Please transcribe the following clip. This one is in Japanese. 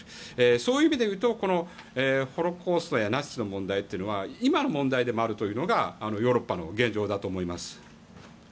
そういう意味でいうとホロコーストやナチスの問題は今の問題でもあるというのがヨーロッパの現状だと思います。